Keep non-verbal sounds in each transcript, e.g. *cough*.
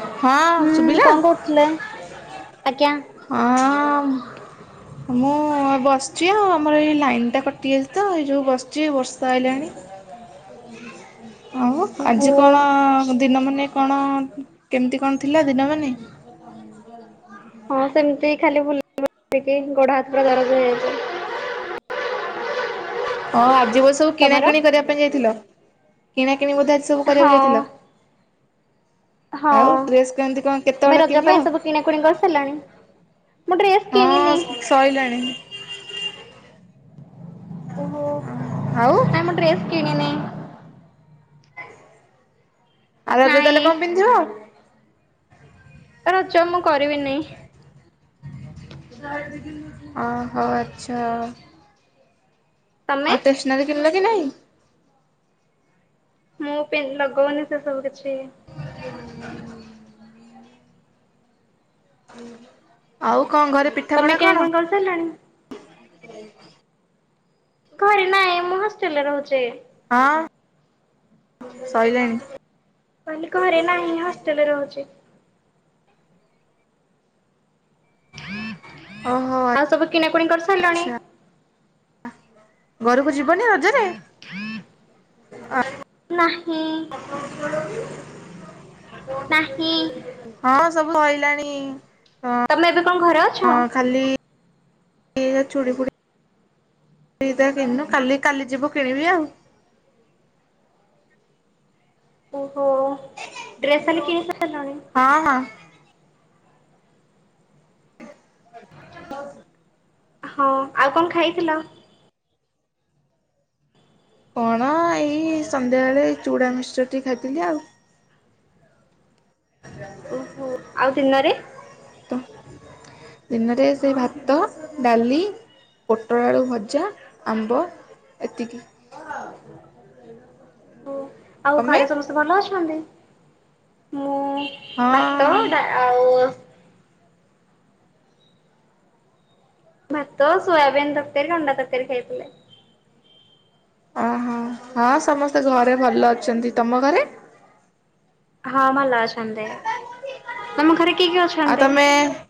ହଁ ହୁଁ ଶୁଭିଲା କଣ କରୁଥିଲେ ଆଜ୍ଞା। ହଁ ଅଁ। ମୁଁ ବସିଛି ଆଉ ଆମର ଏଇ ଲାଇନ୍ ଟା କଟିଯାଇଛି ତ ଏଇ ଯେଉ ବସିଛି ବର୍ଷା ଆଇଲାଣି। *unintelligible* ଆଉ ଓହୋ ଆଜି କଣ ଦିନ ମାନେ କଣ କେମିତି କଣ ଥିଲା ଦିନ ମାନେ? *inaudible* ହଁ ସେମିତି ଖାଲି ଭୁଲ ଗୋଡ ହାତ ପୁରା ଦରଜ ହେଇଯାଇଛି। ହଁ ଆଜିିବୋ ସବୁ ତମର? କିଣାକିଣି କରିବା ପାଇଁ ଯାଇଥିଲ। କିଣାକିଣି ବୋଧେ ଆଜି ସବୁ କରିବାକୁ ହଁ ଯାଇଥିଲ। ହଁ ଆଉ ଡ୍ରେସ୍ କେମିତି କଣ କେତେବେଳେ ତୁମେ ରଜ କିଣିଲ ପାଇଁ ସବୁ କିଣାକୁଣି କରିସାରିଲଣି? ମୁଁ ଡ୍ରେସ କିଣିନି। ହଁ ସଇଲାଣି। ଓହୋ ଆଉ ନାଇଁ ମୁଁ ଡ୍ରେସ୍ କିଣିନି। ଆଉ ରଜରେ ନାଇଁ ତାହଲେ କଣ ପିନ୍ଧିବ? ରଜ ମୁଁ କରିବିନି। ଅ ହୋ ଆଚ୍ଛା। ତମେ? ଆଉ ଷ୍ଟେସନାରୀ କିଣିଲ କି ନାହିଁ? ମୁଁ ପି ଲଗଉନି ସେ ସବୁ କିଛି। *inaudible* ଆଉ କଣ ଘରେ ପି ତମେ କିଣା କୁଣି କରି ସାରିଲଣି? *inaudible* ଘରେ ନାଇଁ ମୁଁ ହଷ୍ଟେଲରେ ରହୁଚି। ହଁ ସଇଲାଣି। କହଲି ଘରେ ନାହିଁ ହଷ୍ଟେଲରେ ରହୁଚି। ଓହୋ। କିଣା କୁଣୀ କରିସାରିଲାଣି? ଆଚ୍ଛା ଘରକୁ ଯିବନି ରଜରେ? ଅ ନାହିଁ। ନାହିଁ *inaudible* ହଁ ସବୁ ସଇଲାଣି ହ। ତମେ ଏବେ କଣ ଘର ହଁ ଖାଲି ଚୁଡ଼ି ଫୁଡି ସେଇଟା କିଣିନୁ। କାଲି କାଲି ଯିବୁ କିଣିବି ଆଉ। ଓହୋ ଡ୍ରେସ ତାଲେ କିଣି ସାରିଲୁଣି। ହଁ ହଁ। *inaudible* ହଁ ଆଉ କଣ ଖାଇଥିଲ? କଣ ଏଇ ସନ୍ଧ୍ୟାବେଳେ ଚୁଡ଼ା ମିକ୍ସଚର ଟି ଖାଇଥିଲି ଆଉ। *inaudible* ଓହୋ ଆଉ ଦିନରେ? ତ ଦିନରେ ସେ ଭାତ ଡାଲି ପୋଟଳ ଆଳୁ ଭଜା, ଆମ୍ବ ଏତିକି। ଆଉ ତମେ? ଘରେ ସମସ୍ତେ ଭଲ ଅଛନ୍ତି? ମୁଁ ହଁ ମା ତ ଟା ଆଉ ଭାତ ସୋୟାବିନ୍ ତରକାରୀ ଅଣ୍ଡା ତରକାରୀ ଖାଇଥିଲେ। ଓହୋ ହଁ ସମସ୍ତେ ଘରେ ଭଲ ଅଛନ୍ତି। ତମ ଘରେ? ହଁ ଭଲ ଅଛନ୍ତି। ତମ ଘରେ କିଏ କିଏ ଆଉ ଅଛନ୍ତି? ତମେ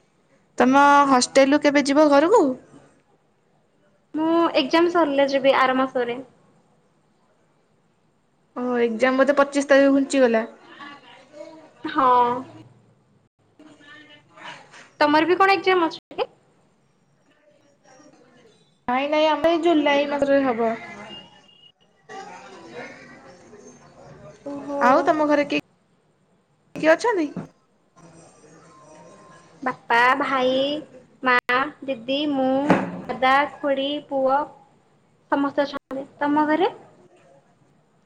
ତମ ହଷ୍ଟେଲରୁୁ କେବେ ଯିବ ଘରକୁ? ମୁଁ ଏକ୍ଜାମ ସରିଲେ ଯିବି ଆର ମାସରେ। ଓ ଏକ୍ସାମ୍ ବୋଧେ ପଚିଶ ତାରିଖ ଘୁଞ୍ଚିଗଲା। ହଁ। ତମର ବି କଣ ଏକଜାମ ଅଛି? କି? ନାଇଁ ନାଇଁ ଆମର ଏଇ ଜୁଲାଇ ମାସ ରେ ହବ। ଆଉ ଓହୋ। ତମ ଘରେ କି କିଏ ଅଛନ୍ତି? ବାପା, ଭାଇ ମା ଦିଦି ମୁଁ ଦାଦା ଖୁଡି ପୁଅ ସମସ୍ତ ଅଛ *unintelligible* ତମ ଘରେ?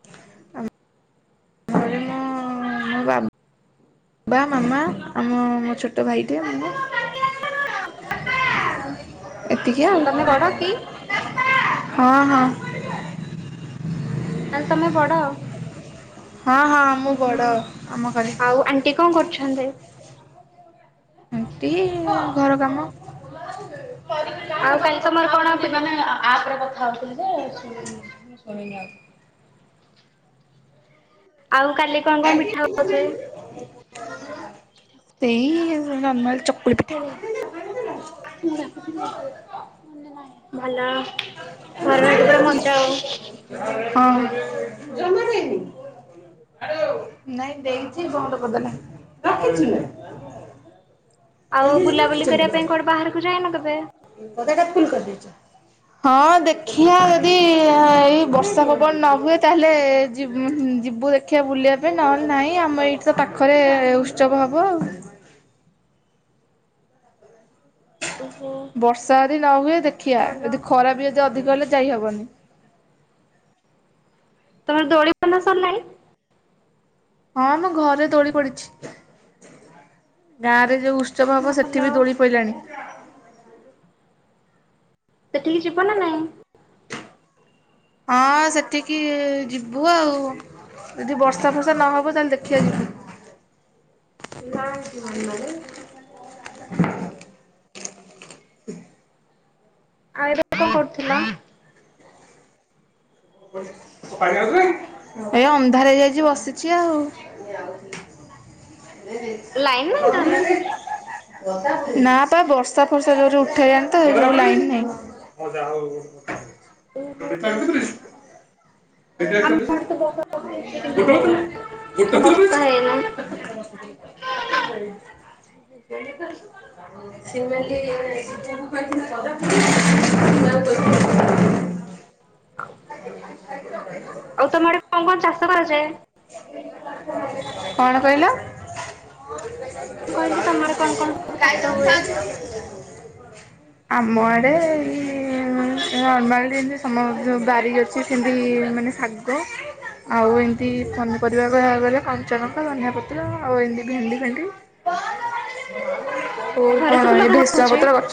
*unintelligible* *unintelligible* *inaudible* ବାବା ମାମା ଆମ ମୋ ଛୋଟ ଭାଇଟିଏ ମୁ। *inaudible* ଏତିକି ଆଉ ତମେ ବଡ କି? *unintelligible* ହଁ ହଁ। ତାହାଲେ ତମେ ବଡ? ହଁ ହଁ, ମୁଁ ହୁଁ ବଡ ହୁଁ ଆମ ଘରେ। ଆଉ ଆଣ୍ଟି କଣ କରୁଛନ୍ତି? ଆଣ୍ଟି ଘର କାମ। ଆଉ କାଲି ତମର କଣ ହଉଛି ମାନେ ଆପରେ କଥା ହଉଥିଲି। *unintelligible* ଆଉ କାଲି କଣ କଣ ମିଠା ହଉଛେ? ସେଇ ନର୍ମାଲ ଚକୁଳି ପି *unintelligible* ଭଲ ଘାରେ ରହିକି ପୁରା ମଯା ଆଉ। *unintelligible* *inaudible* ନାଇଁ ଦେଇଛି ବନ୍ଦ କରିଦେଲା। *unintelligible* ଆଉ ବୁଲାବୁଲି କରିବା ପାଇଁ କୁଆଡେ ବାହାରକୁ ଯାଏନ କେବେ? ବଧେ ଏଇଟା ଫୁଲ କରିଦଛ? ହଁ ଦେଖିଆ ଯଦି *unintelligible* ଏଇ ବର୍ଷା ପବନ ନ ହୁଏ ତାହେଲେ *unintelligible* ଯିବୁ ଦେଖିବା ବୁଲିବା ପାଇଁ ନହେଲେ ନହିଁ ଆମ ଏଇଠି ତ ପାଖରେ ଉତ୍ସବ ହବ ଆଉ। ଓହୋ ବର୍ଷା ଯଦି ନ ହୁଏ ଦେଖିଆ ଭଲ। ଯଦି ଖରା ବି ଯଦି ଅଧିକ ହେଲେ ଯାଇହବନି। ତମର ଦୋଳି ବନ୍ଧା ସରିଲାଣି? ହଁ ମ ଘରେ ଦୋଳି ପଡିଛି। ଗାଁରେ ଯୋଉ ଉତ୍ସବ ହବ ଭଲ ସେଠି ବି ଦୋଳି ପଇଲାଣି। ସେଠିକି ଯିବ ନା ନାଇଁ? ହଁ ସେଠିକି ଯିବୁ ଆଉ। ଯଦି ବର୍ଷା ଫର୍ଷା ନହବ ତାହେଲେ ଦେଖିଆ ଜିବୁ। *inaudible* *inaudible* କରୁଥିଲା? *unintelligible* ଏ ଅନ୍ଧାରେ ଯାଇଛି ବସିଛି ଆଉ। ଲାଇନ ନାହିଁ ତାହେଲେ *unintelligible* ନା ପା ବର୍ଷା ଫର୍ଷା ଯୋରେ ଉଠେଇାଣି ତ *inaudible* ଲାଇନ୍ ନାହିଁ। ମଜା ହଉ ଓହୋ *unintelligible* ଆମ ଆଡେ ତ ବର୍ଷା ପକେଇଛି କିନ୍ତୁ *inaudible* ବର୍ଷା ହେଇନି *unintelligible* *inaudible* *unintelligible* *inaudible* *inaudible* ଆଉ ତମଆଡେ କଣ କଣ ଚାଷ କରାଯାଏ? କଣ କହିଲ? ମୁଁ କହିଲି ତମ ଆଡେ କଣ କଣ ସବୁ ଚାଷ ହୁଏ *inaudible* ଆମ ଆଡ଼େ ହୁଁ ନର୍ମାଲି ଜିନ୍ତି ସମସ୍ତିଙ୍କ ବାରି ଅଛି ସେମିତି ମାନେ ଶାଗ। ଆଉ ଏମ୍ ତି ପନିପରିବା କହିବାକୁ ଗଲେ କଞ୍ଚା ଲଙ୍କା ଧନିଆ ପତ୍ର ଆଉ ଏମତି ଭେଣ୍ଡି ଫେଣ୍ଡି। ଓ ଘରେ କଣ ସବୁ ଏ ଲଗା ଭେର୍ସୁଙ୍ଗା ହଉଛି? ପତ୍ର ଗଛ।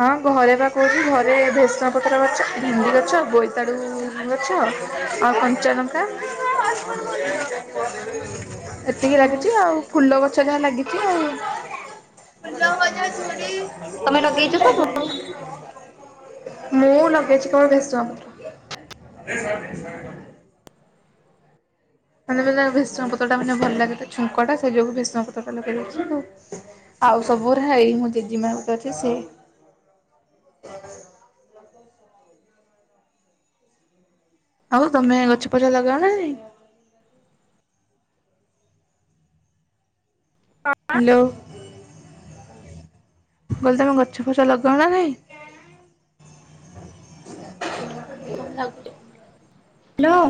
ହଁ ଘରେ ବା କହୁଛି ଘରେ ଭେର୍ସୁଙ୍ଗା ପତ୍ର ଗଛ ଭେଣ୍ଡି ଗଛ ବୋଇତାଳୁ। ଉ ଗଛ ଆଉ କଞ୍ଚାଲ ତା ଏତିକି ଓହୋ ଲାଗିଚି ଆଉ। ଫୁଲ ଗଛ ଯାହା ଲାଗିଚି ଆଉ। ତମେ ଲଗେଇଛ ସବୁ? *unintelligible* ମୁଁ ଲଗେଇଚି କଣ ଭେର୍ସୁଙ୍ଗାପତ୍ର। ମାନେ ମାନେ ଭେର୍ସୁଙ୍ଗା ପତ୍ର ଟା ମାନେ ଭଲ ଲାଗେ ତ ଛୁଙ୍କଟା ସେ ଯୋଗୁ ଭେର୍ସୁଙ୍ଗା ପତ୍ରଟା ଲଗେଇ ଦେଇଛି ଆଉ। ଆଉ ସବୁଗୁରା ହେଇ ମୋ ଜେଜିମା ଗୋଟେ ଅଛି ସେ। ଆଉ ତମେ ଗଛ ପଛ ଲଗାଅ ନା ନାହିଁ? ହାଲୋ କହିଲି ତମେ ଗଛ ଫଛ ଲଗାଅ ନା ନାହିଁ? କଣ ଲାଗୁଚି ହାଲୋ।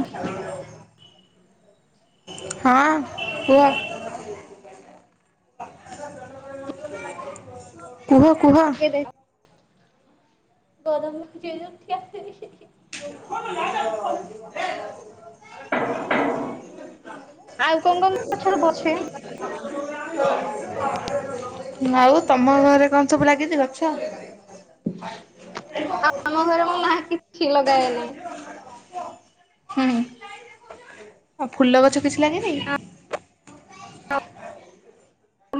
ହଁ କୁହ। କୁହ କୁହ। *unintelligible* *unintelligible* ଆଉ କଙ୍ଗ କଙ୍ଗ ଗଛରେ ବସେ? ଆଉ ତମ ଘରେ କଣ ସବୁ ଲାଗିଛି ଗଛ? ଆମ ଘରେ ମୋ ମା କିଛି ଲଗାଏନି। ହୁଁ ଆ ଫୁଲ ଗଛ କିଛି ଲାଗିନି?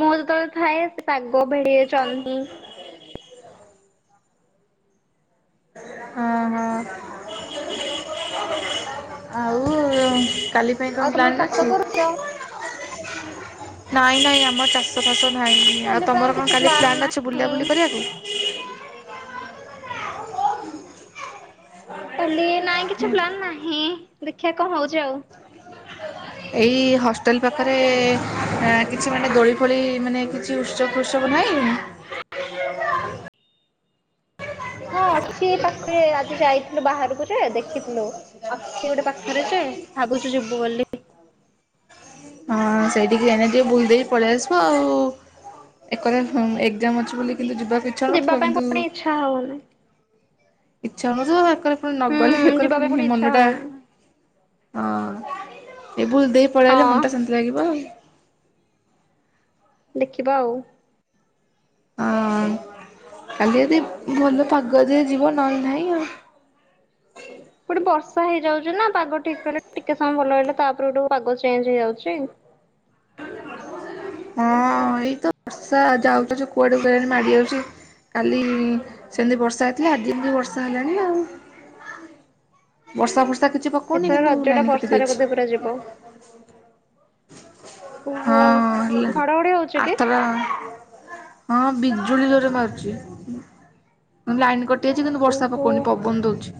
ମୁଁ ଯେତେବେଳେ ଥାଏ ସେ ପାଗ ଭେଡିରେ ଜହ୍ନି। ହଁ ହଁ ଆଉ। କାଲି ପାଇଁ କଣ ଆଉ ତମର ପ୍ଲାନ୍ ଚାଷ ଅଛି କରୁଛ? ନାଇଁ ନାଇଁ ଆମ ଚା ଷ ଫାଷ ନାହିଁ ଆଉ କାଲି ପାଇଁ ତମର କଣ କିଛି କାଲି ପ୍ଲାନ୍ ଅଛି ବୁଲା ନାହିଁ। ବୁଲି କରିବାକୁ? କାଲି ନାଇଁ କିଛି ପ୍ଲାନ ନାହିଁ ଦେଖିଆ କଣ ହଉଚି ଆଉ। *inaudible* ଏଇ ହଷ୍ଟେଲ ପାଖରେ ଏଁ କିଛି ମାନେ ଦୋଳି ଫୋଳି ମାନେ। କିଛି ଉତ୍ସବ ଫୁତ୍ସବ ନାହିଁ? ହଁ ଅଛି ଏ ପାଖରେ ଆଜି ଯାଇଥିଲୁ ବାହାରୁକୁ ଯେ ଦେଖିଥିଲୁ ଅଛି ଗୋଟେ ପାଖରେ ଯେ ଭାବୁଛୁ ଯିବୁ ବୋଲି। ହଁ ସେଇଠିକି ଏନା ଟିକେ ବୁଲ୍ ଦେଇକି ପଳେଇ ଆସିବୁଆଉ। ଏକରେ ହୁଁ ଏକ୍ଜାମ ଅଛି ବୋଲି କିନ୍ତୁ ଯିବାକୁ ଇଚ୍ଛା ହଉନଥିବ ଯିବା ପାଇଁ କିନ୍ତୁ ପୁଣି ଇଛା ହଉନି। ଇଚ୍ଛା ହଉନି ଯେ ଏକରେ ଫୁଣି ନଗଲେ ହୁଁ ଏକରେ ଯିବା ପାଇଁ ଫୁଣି ପୁଣି ଇଚ୍ଛା ମନଟା। ହଉନି ଅଁ ଏ ଫୁଣି ଦେଇ ପଳେଇଲେ ହଁ ମନ ଟା ଶାନ୍ତି ଲାଗିବ। ଦେଖିବା ଆଉ। ହଁ କାଲି ଯଦି ଭଲ ପାଗ ଦିଏ ଯିବା ନହଲେ ନାହିଁ ଆଉ। ଗୋଟେ ବର୍ଷା ହେଇଯାଉଛି ନା ପାଗ ଠିକ ରହିଲେ ଟିକେ ସମୟ ଭଲ ହେଇଲେ ତାପରେ ଗୋ ପାଗ ଚେଞ୍ଜ ହେଇଯାଉଛି। ହଁ ଏଇତ ବର୍ଷା ଯାଉଛ କୁଆଡେ ମାଡି ଯାଉଛି କାଲି ସେମିତି ବର୍ଷା ହେଇଥିଲା ଆଜି ବିିକ ବର୍ଷା ହେଲାଣି ଆଉ ବର୍ଷା ବର୍ଷା କିଛି ପକଉନି ଏଥର କିନ୍ତୁ ରଜ ଟା ଲାଇନ କାଟି ବର୍ଷାରେ ଦେଇଛି। ବୋଧେ ପୁରା ଯିବ ଓହୋ। ହଁ ଘଡଘଡି ହଉଛି କି ଆଥ୍ରା ହଁ ବିଜୁଳି ଦରେ ମାରୁଛି। ମୁ ଲାଇନ କଟି ଯାଇଛି କିନ୍ତୁ ବର୍ଷା ପକଉନି ଓହୋ। ପବନ ଦ ହଉଛି।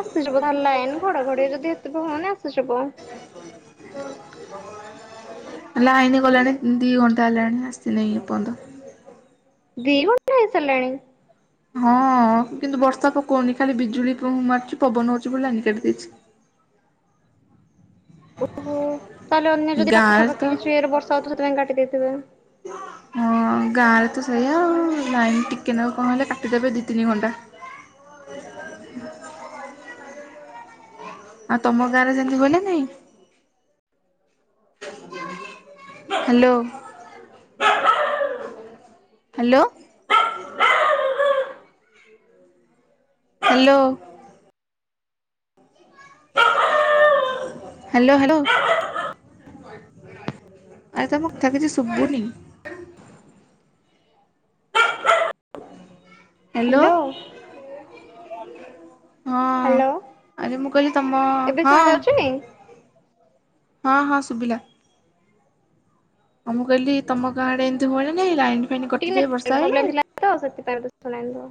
ଆସିଯିବ ତାହେଲେ ଲାଇନ ଘଡଘଡି ଯଦି ଏତେ ହଉନି ଆସିଯିବ। ଲାଇନି ଗଲାଣି ଦି ଘଣ୍ଟା ହେଲାଣି ଆସିନି ଏଇ ପାର୍ଜନ୍ତ। ଦି ଘଣ୍ଟା ହେଇସାରିଲାଣି। ହଁ କିନ୍ତୁ ବର୍ଷା ପକଉନି ଖାଲି ବିଜୁଳିଁ ମାରୁଛି ପବନ ହଉଛି ବୋଲି ଲାନ କାଟିି ଦେଇଛି। ଓହୋ। ତାହେଲେ ଅନ୍ୟ ଯଦି ଗାଁରେ ତ ପାଖାପାଖି କିଛିରେ ବଷା ହଉ ତ ସେଥି ପାଇଁ କାଟି ଦେଇଥିବେ। ହଁ ଗାଁ ରେ ତ ସେଇଆ ଲାଇନ ଟିକେ ନେବ କଣ ହେଲେ କାଟିଦେବେ ଦିଇ ତିନି ଘଣ୍ଟା। ଆଉ ତମ ଗାଁରେ ସେମିତି ହୁଏ ନା ନାଇଁ। Hello. Hello. Hello. Hello hello. ଆରେ ତ ମୁଁ କିଛି ଶୁବୁନି ହ୍ୟାଲୋ। ହଁ ହ୍ୟାଲୋ ଆରେ ମୁଁ କହିଲି ତମ ଏବେ ହଁ। ଶୁଣା ଯାଉଛି? ହଁ ହଁ ଶୁଭିଲା। ହ ମୁଁ କହିଲି ତମ ଗାଁଡେ ଏମିତି ହୁଏନାଇ ଲାଇନ ଫାଇନ୍ କଟିଯାଏ ବର୍ଷା ହେଇ କେ ଆ ସି ତାର ଶଣାଇୁ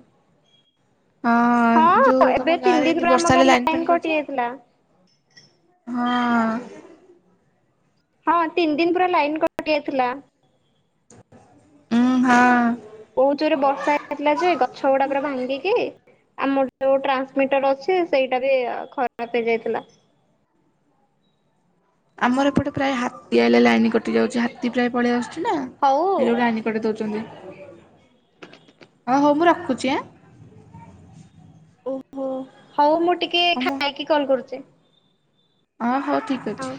ହଁ ଯୋଉ ଏବେ ତମ ତିନି ଗାଁରେ ଦିନ ଯଦି ପୁରା ଆମ ବର୍ଷା ହେଲେ ଗାଁରେ ଲାଇନ୍ ଲାଇନ ପେଟ କଟି ଯାଇଥିଲା। ହଁ ହଁ ତିନି ଦିନ ପୁରା ଲାଇନ କଟି ଯାଇଥିଲା। ଉୁଁ ହଁ। କୋଉ ଜୋରେ ବର୍ଷା ହେଇଥିଲା ଯେ ଗଛ ଗୁଡା ପା ଭାଙ୍ଗିକି ଆମର ଯୋଉ ଟ୍ରାନ୍ସମିଟର ଅଛି ସେଇଟା ବି ଖରାପ ହେଇଯାଇଥିଲା। ଆମର ଏପଟେ ପ୍ରାୟ ହାତୀ ଆଇଲେ ଲାଇନ କଟି ଯାଉଛି ହାତୀ ପ୍ରାୟ ପଳେଇ ଆସୁଛି ନା ହଉ ଗୋଟ ଲ ଉ ହଉ ହଉ ମୁଁ ରଖୁଛି ଆ ଓହୋ ହଉ ମୁଁ ଟିକେ ହଁ ଖାଇକି କଲ କରୁଛି। ଅ ହଉ ଠିକ୍ ଅଛି। ହଉ।